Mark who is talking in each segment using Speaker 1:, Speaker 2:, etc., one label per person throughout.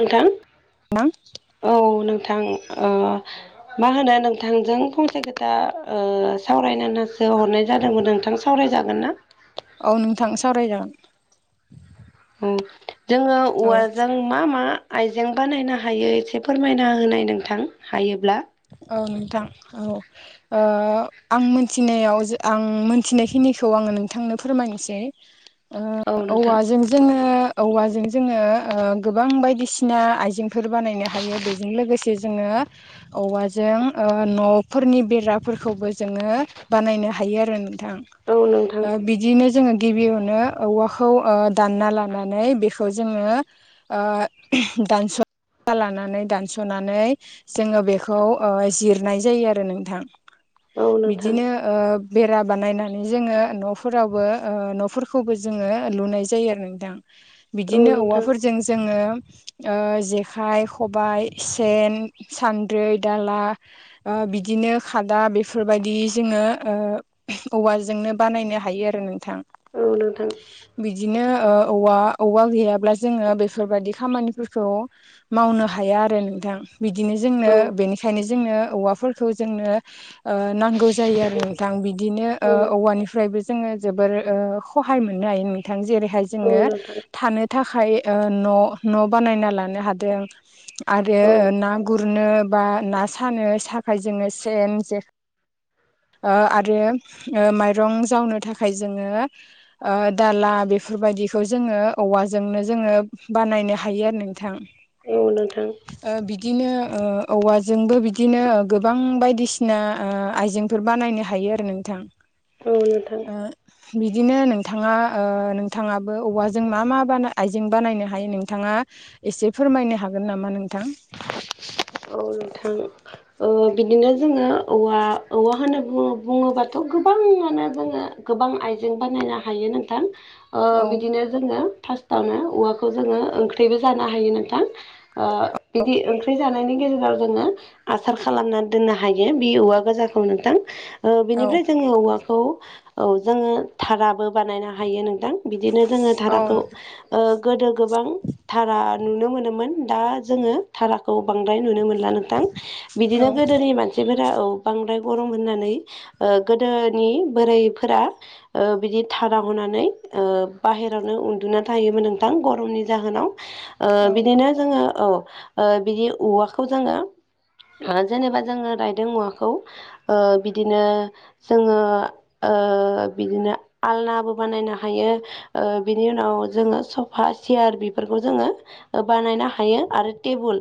Speaker 1: नोंथां
Speaker 2: [unintelligible]
Speaker 1: औ नोंथां ओ मा होनो नोंथांजों फंसे खोथा ओ सावरायनोनासो हरनाय जादोंमोन नोंथां सावरायजागोन ना
Speaker 2: औ नोंथां सावरायजागोन
Speaker 1: ओं जोङो
Speaker 2: औ
Speaker 1: औवाजों मा मा आइजें बानायनो हायो एसे फोरमायना होनाय नोंथां हायोब्ला
Speaker 2: औ नोंथां औ ओ आं मोनथिनायाव आं मोनथिनायखिनिखौ आं नोंथांनो फोरमायनोसै
Speaker 1: [inaudible]
Speaker 2: ओ
Speaker 1: नोंथां
Speaker 2: औवाजों जोङो औवाजों जोङो ओ गोबां बायदिसिना आइजेंफोर बानायनो हायो बेजों लोगोसे जोङो औवाजों ओ न'फोरनि बेराफोरखौबो जोङो बानायनो हायो आरो नोंथां
Speaker 1: औ नोंथां
Speaker 2: ओ बि बिदिनो जोङो गिबियावनो औवाखौ ओ दानना लानानै बेखौ जोङो ओ दानस'ना लानानै दानस'नानै जोङो बे खौ ओ जिरनाय जायो आरो नोंथां
Speaker 1: औ नोंथां
Speaker 2: बिदिनो ओ बेरा बानायनानै जोङो न'फोरावबो ओ न'फोरखौबो जोङो लुनाय जायो आरो नोंथां।
Speaker 1: औ
Speaker 2: बिदिनो
Speaker 1: नोंथां
Speaker 2: औवाफोरजों जोङो ओ जेखाइ, खबाय, सेन, सान्द्रै, दाला ओ बिदिनो खादा बेफोरबायदि जोङो ओ औवाजोंनो बानायनो हायो आरो नोंथां।
Speaker 1: औ नोंथां।
Speaker 2: बिदिनो ओ औवा औवा गैयाब्ला जोङो बेफोरबायाददि खामानिफोरखौ मावनो हाया आरो नोंथां बिदिनो जोंनो
Speaker 1: औ
Speaker 2: बेनिखायनो जोंनो औवाफोरखौ जोंनो ओ नांगौ जायो आरो नोंथां बिदिनो ओ
Speaker 1: औ
Speaker 2: औवानिफ्रायबो जोङो जोबोर खहाय मोननो हायो नोंथां जेरैहाय जोङो
Speaker 1: औ नोंथां
Speaker 2: थानो थाखाय ओ न 'बानायना लानो हादों आरो
Speaker 1: औ
Speaker 2: ना गुर गुरनो बा ना सानो थाखाय जोङो सेन जे ओ आरो माइरं जावनो थाखाय जोङो ओ दाला बेफोरबायदिखौ जोङो औवाजोंनो जोङो बानायनो हायो आरो नोंथां।
Speaker 1: औ नोंथां।
Speaker 2: ओ बिदिनो ओ औवाजोंबो बिदिनो गोबां बायदिसिना ओ आइजेंफोर बानायनो हायो आरो नोंथां।
Speaker 1: औ नोंथां
Speaker 2: ओ बिदिनो नोंथाङा ओ नोंथाङाबो औवाजों मा मा बानाय मा मा आइजें बानायनो हायो नोंथाङा एसे फोरमायनो हागोन नामा नोंथां।
Speaker 1: औ नोंथां। ओ बिदिनो जोङो औवा औवा होनना बु बुङोबाथ' गोबाङानो जोङो गोबां आइजें बानायनो हायो नोंथां ओ
Speaker 2: औ
Speaker 1: बिदिनो जोङो फारसतावनो औलाद ओंख्रिबो जानो नोंथां ओ बिदि ओंख्रि जानायनि गेजेराव जोङो आसार खालामनानै दोननो हायो बि औवा गोजाखौ नोंथां। ओ
Speaker 2: औ
Speaker 1: बेनिफ्राय जोङो औवाखौ औ जोङो धाराबो बानायनो हायो नोंथां। बिदिनो जोङो
Speaker 2: औ
Speaker 1: धाराखौ
Speaker 2: नोंथां
Speaker 1: ओ गोदो गोबां धारा नुनो मोनोमोन दा जोङो धाराखौ बांद्राय नुनो मोनला नोंथां
Speaker 2: औ
Speaker 1: बिदिनो गोदोनि मानसि फाइफोरा औ बांद्राय गरम होननानै ओ गोदोनि बोराइफोरा ओ बिदि धारा बना नै ओ बाहेरायावनो उन्दुना थाहोमोन नोंथां गरमनि जाहोनाव ओ
Speaker 2: औ
Speaker 1: बिदिनो जोङो औ ओ बिदि औवाखौ जोङो ओ जेनेबा जोङो रायदों औवाखौ ओ बिदिनो जोङो ओ बिदिनो आलनाबो बानायनो हायो। ओ बिनि उनाव जोङो सफा सियार बेफोरखौ जोङो बानायनो हायो आरो टेबुल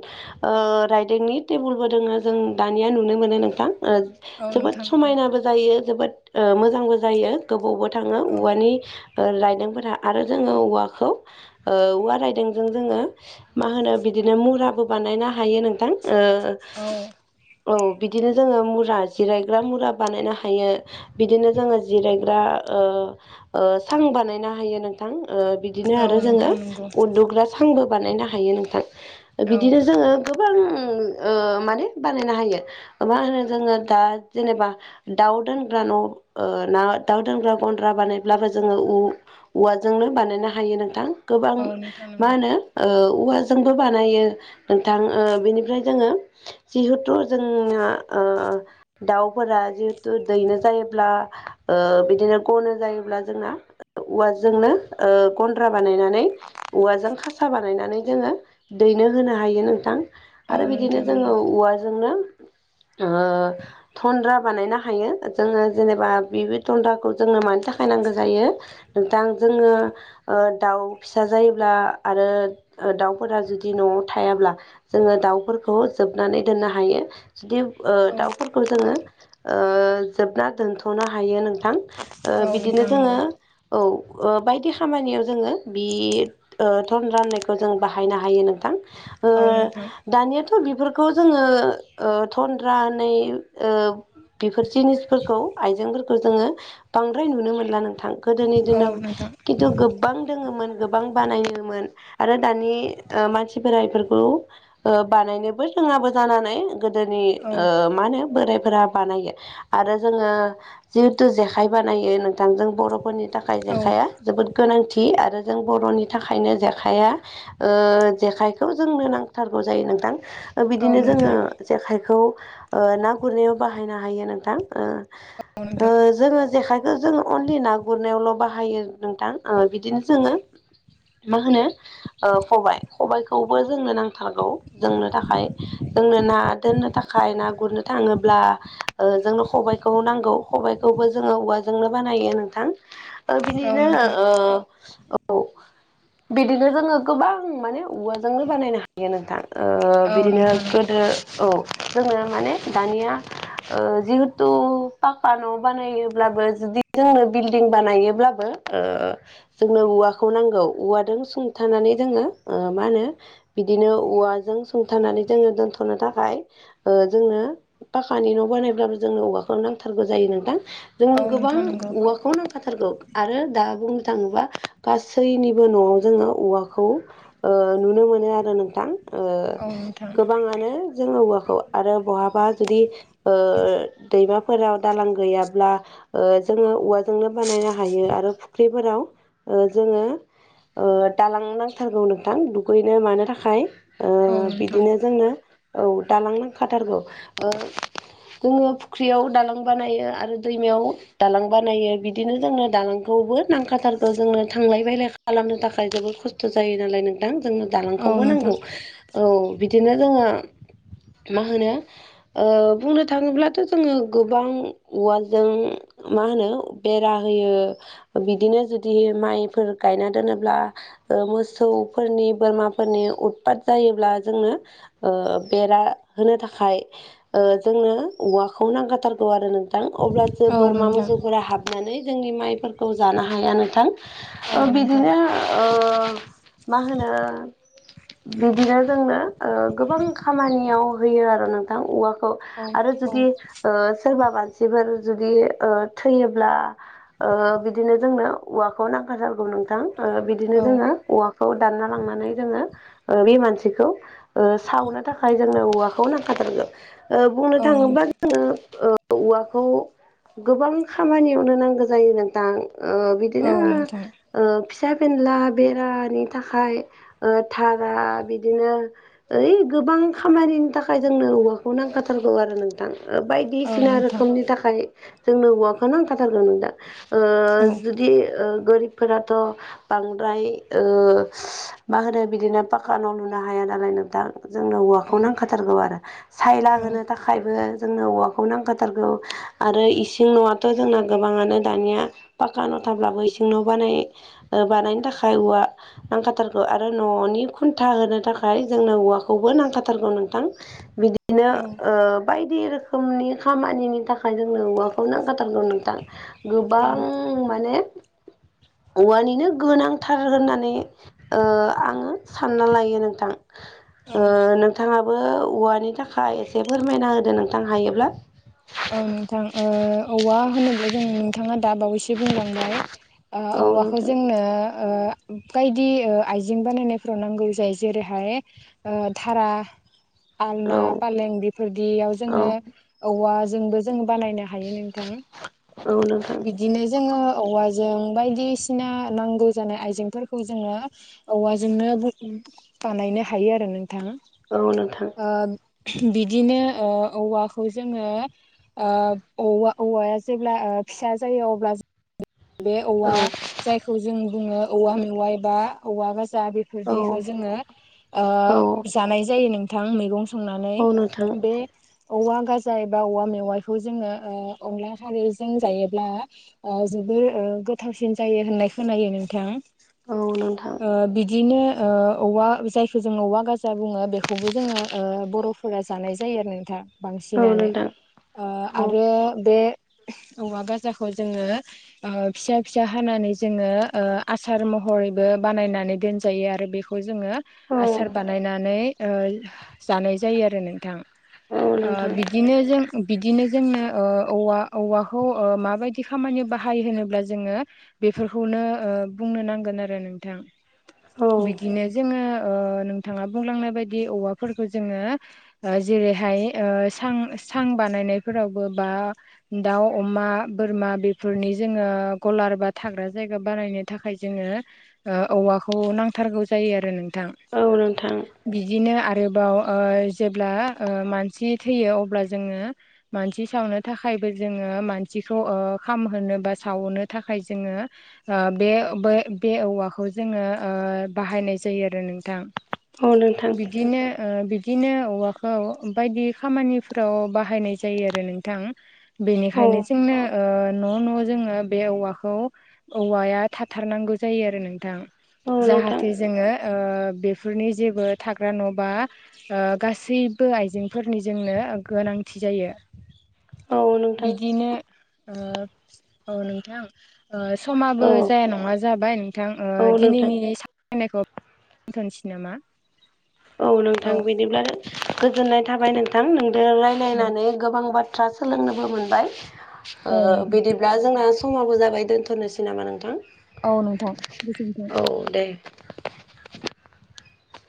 Speaker 1: ओ राइदिंनि टेबुलबो दोङो जों दानिया नुनो मोनो नोंथां ओ
Speaker 2: औ
Speaker 1: जोबोद
Speaker 2: नोंथां नंगौ
Speaker 1: समायनाबो जायो जोबोद मोजांबो जायो गोबावबो थाङो
Speaker 2: औ
Speaker 1: औवानि रायदोंफोरा आरो जोङो औवाखौ ओ औवा रायदोंजों जोङो मा होनो बिदि बिदिनो मुराबो बानायनो हायो नोंथां ओ औ बिदिनो जोङो मुरा जिरायग्रा मुरा बानायनो हायो। बिदिनो जोङो जिरायग्रा ओ ओसां बानायनो हायो नोंथां ओ बिदिनो
Speaker 2: औ
Speaker 1: आरो जोङो
Speaker 2: नोंथां नंगौ
Speaker 1: उनदुग्रा सांबो बानायनो हायो नोंथां।
Speaker 2: औ
Speaker 1: बिदिनो जोङो गोबां ओ माने बानायनो हायो। मा होनो जोङो दा जेनेबा दाउ दोनग्रा न' ओ ना दाउ दोनग्रा गन्द्रा बानायब्लाबो जोङो उ औवाजोंनो बानायनो हायो नोंथां। गोबां
Speaker 2: औ नोंथां
Speaker 1: मा
Speaker 2: नंगौ
Speaker 1: होनो ओ औवाजों जोंबो बानायो नोंथां ओ बेनिफ्राय जोङो जिहेथु जोंना ओ दाउफोरा जिहेथु दैनो जायोब्ला ओ बिदिनो ग'नो जायोब्ला जोंना औवाजोंनो ओ गन्द्रा बानायनानै औवाजों खासा बानायनानै जोङो दैनो होनो हायो नोंथां
Speaker 2: औ
Speaker 1: आरो बिदिनो
Speaker 2: नोंथां
Speaker 1: जोङो
Speaker 2: नंगौ
Speaker 1: औवाजोंनो ओ थन्द्रा बानायनो हायो। जोङो जेनेबा बे थन्द्राखौ जोङो मानि थाखाय नांगौ जायो। नोंथां जोङो ओ दाउ फिसा जायोब्ला आरो दाउ फोरा जुदि न'आव थायाब्ला जोङो दाउफोरखौ जोबनानै दोननो हायो। जुदि ओ
Speaker 2: औ
Speaker 1: दाउफोरखौ जोङो ओ जोबना दोनथ'नो हायो नोंथां। ओ
Speaker 2: औ
Speaker 1: बिदिनो
Speaker 2: नोंथां नंगौ
Speaker 1: जोङो औ ओ बायदि खामानियाव जोङो बे ओ धन्द्रा होननायखौ जों बाहायनो हायो नोंथां। ओ
Speaker 2: औ नोंथां
Speaker 1: दानियाथ' बेफोरखौ जोङो ओ थन्द्रा होननाय ओ बेफोर जिनिसफोरखौ आइजेंफोरखौ जोङो बांद्राय नुनो मोनला नोंथां। गोदोनि
Speaker 2: औ
Speaker 1: दिनाव
Speaker 2: नोंथां
Speaker 1: खिन्थु गोबां दोङोमोन गोबां बानायोमोन आरो दानि ओ मानसिफोरा इफोरखौ ओ बानायनोबो रोङाबो जानानै गोदोनि
Speaker 2: औ
Speaker 1: ओ मा होनो बोरायफोरा बानायो आरो जोङो जिहेथु जेखाइ बानायो नोंथां जों बर'फोरनि थाखाय
Speaker 2: औ
Speaker 1: जेखाइया जोबोद गोनांथि आरो जों बर'नि थाखायनो जेखाइया ओ जेखाइखौ जोंनो नांथारगौ जायो नोंथां।
Speaker 2: औ
Speaker 1: बिदिनो जोङो
Speaker 2: नोंथां
Speaker 1: जेखाइखौ ओ ना गुरनायाव बाहायनो हायो नोंथां। ओ
Speaker 2: औ
Speaker 1: ओ
Speaker 2: नोंथां
Speaker 1: जोङो जेखायखौ जोङो अनलि ना गुरनायावल' बाहायो। नोंथां ओ बिदिनो जोङो मा होनो ओ खबाय खबायखौबो जोंनो नांथारगौ जोंनो थाखाय जोंनो ना दोननो थाखाय ना गुरनो थाङोब्ला जोंनो ओ खबाइखौ नांगौ खबाइखो खौबो जोङो औवाजोंनो बानायो नोंथां। ओ
Speaker 2: औ
Speaker 1: बिदिनो
Speaker 2: नोंथां
Speaker 1: ओ औ बिदिनो जोङो गोबां माने जोंनो बानायनो हायो नोंथां। ओ
Speaker 2: औ
Speaker 1: बिदिनो
Speaker 2: नोंथां नंगौ
Speaker 1: गोदो औ। जोङो माने दानिया ओ जिहेथु पाक्का न' बानायोबब्लाबो जुदि जोंनो बिल्डिं बानायोब्लाबो ओ जोंनो औवाखौ नांगौ। औवाजों सुंथानानै जोङो ओ मा होनो बिदिनो औवाजों सुंथानानै जोङो दोनथ'नो थाखाय जोंनो पाक्कानि न' बानायब्लाबो जोंनो औवाखौ नांथारगौ जायो नोंथां। जोंनो
Speaker 2: औ
Speaker 1: गोबां
Speaker 2: नोंथां नंगौ
Speaker 1: औवाखौ नां फाथारखौ आरो दा बुंनो थाङोब्ला गासैनिबो न'आव जोङो औवा खौ ओ नुनो मोनो आरो नोंथां। ओ
Speaker 2: औ नोंथां
Speaker 1: गोबाङानो जोंङो औवाखौ आरो बहाबा जुदि ओ दैमाफोराव दालां गैयाब्ला ओ जोङो औवाजोंनो बानायनो हायो आरो फुख्रिफोराव ओ जोङो दालां नांथारगौ नोंथां दुगैनो मानो थाखाय ओ
Speaker 2: औ नोंथां
Speaker 1: बिदिनो जोङो औ दालां नांखाथारगौ। जोङो फुख्रियाव दालां बानायो आरो दैमायाव दालां बानायो। बिदिनो जोङो दालां खौबो नांखाथारगौ जोङो थांलाय फैलाय खालामनो थाखाय जोबोद खस्थ' जायो नालाय नोंथां। जों
Speaker 2: औ
Speaker 1: दालांखौबो
Speaker 2: नोंथां
Speaker 1: नांगौ। औ बिदिनो जोङो मा होनो ओ बुंनो थाङोब्लाथ' जोङो गोबां औवाजों मा होनो बेरा होयो। बिदिनो जुदि माइफोर गायना दोनोब्ला ओ मोसौफोरनि बोरमाफोरनि उदफात जायोब्ला जोंनो ओ बेरा होनो थाखाय ओ जोंनो औवाखौ नांखाथारगौ आरो नोंथां अब्ला जो
Speaker 2: औ
Speaker 1: बोरमा
Speaker 2: नोंथां
Speaker 1: मोसौफोरा हाबनानै जोंनि माइफोरखौ जानो हाया नोंथां।
Speaker 2: औ
Speaker 1: ओ
Speaker 2: नोंथां
Speaker 1: बिदिनो ओ मा होनो बिदिनो जोंनो ओ गोबां खामानियाव होयो आरो नोंथां औवा खौ
Speaker 2: औ
Speaker 1: आरो
Speaker 2: औ
Speaker 1: जुदि ओ सोरबा मानसिफोर जुदि ओ थैयोब्ला ओ बिदिनो जोंनो औवाखौ नांखाथारगौ नोंथां ओ बिदिनो
Speaker 2: औ
Speaker 1: जोङो औवाखौ दान ना लांनानै जोङो ओ बे मानसिखौ ओ सावनो थाखाय जोंनो औवाखौ नांखाथारगोन ओ बुंनो
Speaker 2: औ
Speaker 1: थाङोब्ला
Speaker 2: नोंथां
Speaker 1: जोङो ओ औवाखौ गोबां खामानियावनो नांगौ जायो नोंथां ओ बि
Speaker 2: औ नोंथां।
Speaker 1: ओ फिसा बेनला बेरानि थाखाय ओ थारा बिदिनो ओइ गोबां खामानिनि थाखाय जोंनो औवाखौ नांखाथारगौ आरो नों थां ओ
Speaker 2: औ
Speaker 1: बायदिसिना
Speaker 2: नोंथां
Speaker 1: रोखोमनि थाखाय जोंनो औवाखौ नांखाथारगौ नोंथां। ओ
Speaker 2: औ
Speaker 1: जुदि ओ गोरिबफोराथ' बांद्राय ओ मा होनो बिदिनो पाकानाव लुनो हाया नालाय नोंथां जोंनो औवाखौ
Speaker 2: औ
Speaker 1: नांखाथारगौ आरो सायला होनो था खायबो जोंनो औवाखौ नांखाथारगौ आरो इसिं न'याथ' जोंना गोबाङानो दानिया पाक्का न' थाब्लाबो इसिं न' बानाय ओ बानायनो थाखाय औवा नांखाथारगौ आरो न'नि खुन्था होनो थाखाय जोंनो औवाखौबो नांखाथारगौ नोंथां। बिदि नो बायदि रोखोमनि खामानिनि थाखाय जोंनो औवाखौ नांखाथारगौ नों थां।
Speaker 2: औ
Speaker 1: गोबां माने औवानिनो गोनांथार होनना नै ओ आङो सानना लायो नोंथां
Speaker 2: औ
Speaker 1: ओ नों थाङाबो औवानि थाखाय एसे फोरमायना होदो नोंथां हायोब्ला?
Speaker 2: औ नोंथां ओ औवा होनोब्ला जों बिथाङा दा बावैसो बुंलांबाय ओ
Speaker 1: औ
Speaker 2: औवाखौ
Speaker 1: नोंथां
Speaker 2: जोंनो ओ बायदि ओ आइजें बानायनायफ्राव नांगौ जायो जेरैहाय ओ धारा
Speaker 1: औ
Speaker 2: आलना फालें बेफोरदियाव जोङो
Speaker 1: औ
Speaker 2: औवा जोंबो जों बानायनो हायो नोंथां।
Speaker 1: औ नोंथां।
Speaker 2: बिदिनो जोङो औवाजों बायदिसिना नांगौ जानाय आइजेंफोरखौ जोङो औवाजोंनो बुं बानायनो हायो आरो नोंथां।
Speaker 1: औ नोंथां।
Speaker 2: ओ बिदिनो ओ औवाखौ जोङो ओ औवा औवाया जेब्ला ओ फिसा जायो अब्ला बे
Speaker 1: औ
Speaker 2: औवा जायखौ जों बुङो औवा मेवाय बा हौवा गाजा
Speaker 1: औ
Speaker 2: बेफोरदिखौ जोङो ओ
Speaker 1: औ
Speaker 2: जानाय जायो नोंथां मैगं संनानै
Speaker 1: औ नोंथां
Speaker 2: बे औवा गाजा एबा औवा मेवाइखौ जोङो ओ अनला खारैजों जायोब्ला ओ जोबोर ओ गोथावसिन जायो होननाय खोनायो नोंथां।
Speaker 1: औ नोंथां।
Speaker 2: ओ बिदिनो ओ औवा जायखौ जों औवा गाजा बुङो बेखौबो जोङो ओ बर' फोरा जानाय जायो आरो नोंथां
Speaker 1: औ
Speaker 2: बांसिनानो
Speaker 1: नोंथां
Speaker 2: ओ
Speaker 1: औ
Speaker 2: आरो बे औवा गाजाखौ जोङो ओ फिसा फिसा हानानै जोङो ओ आसार महरैबो बानायनानै दोनजायो आरो बे खौ जोङो
Speaker 1: औ
Speaker 2: आसार बानायनानै ओ जानाय जायो आरो नोंथां।
Speaker 1: औ
Speaker 2: ओ
Speaker 1: नोंथां
Speaker 2: बिदिनो जों बिदिनो जोंनो औ औवा-औवाखौ ओ माबायदि खामानि [unintelligible] [unintelligible] होनोब्ला जोङो बेफोरखौनो बुंनो नांगोन आरो नोंथां।
Speaker 1: औ
Speaker 2: बिदिनो जोङो ओ नोंथाङा बुंलांनाय बायदि औवाफोरखौ जोङो जेरैहाय ओ सां -सां बानायनायफोरावबो बा दाउ, अमा, बोरमा बे -फोरनि जोङो गलार बा थाग्रा जायगा बानायनो थाखाय जोङो ओ औवाखौ नांथारगौ जायो आरो नोंथां।
Speaker 1: औ नोंथां।
Speaker 2: बिदिनो आरोबाव ओ जेब्ला ओ मानसि थैयो अब्ला जोङो मानसि सावनो थाखायबो जोङो मानसिखौ ओ खामहोनो बा सावनो थाखाय जोङो ओ बे बे से औवाखौ जोङो बाहायनाय जायो आरो नोंथां।
Speaker 1: औ नोंथां।
Speaker 2: बिदिनो ओ बिदिनो औवाखौ बायदि खामानिफ्राव बाहायनाय जायो आरो नोंथां।
Speaker 1: औ
Speaker 2: बेनिखायनो जोंनो ओ न' न' जोङो बे औवाखौ औवाया थाथारनांगौ जायो आरो नोंथां।
Speaker 1: औ नोंथां
Speaker 2: जाहाथे जोङो ओ बेफोरनि जेबो थाग्रा न' बा ओ गासैबो आइजेंफोरनि जोंनो गोनांथि जायो।
Speaker 1: औ नोंथां
Speaker 2: बिदिनो ओ औ नोंथां। समाबो
Speaker 1: औ
Speaker 2: जाया नङा जाबाय नोंथां
Speaker 1: औ नोंथां
Speaker 2: दिनैनि -नायखौ दोन्थ'नोसै नामा?
Speaker 1: औ नोंथां, बिदिब्ला गोजोननाय थाबाय नोंथां नोंदो
Speaker 2: औ
Speaker 1: रायलायनानै गोबां बाथ्रा सोलोंनोबो मोनबाय ओ
Speaker 2: नोंथां
Speaker 1: [unintelligible] दा जोंना समाबो जाबाय दोन्थ'नोसै नामा नोंथां?
Speaker 2: औ नोंथां गोजोनथों।
Speaker 1: औ दे